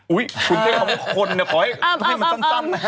อุ๊ยคุณเต้นของคนเนี่ยขอให้มันซ่อนนะฮะ